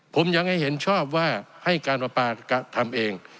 ผมยังให้เห็นชอบว่าให้การประปาทำเอง